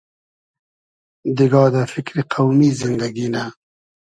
دیگا دۂ فیکری قۆمی زیندئگی نۂ